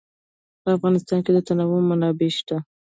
په افغانستان کې د تنوع منابع شته.